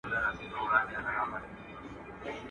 وربه یې سي مرګ په ځان ګوره چي لا څه کیږي.